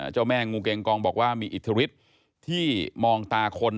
เจ้าแม่งูเกงกองบอกว่ามีอิทธิฤทธิ์ที่มองตาคน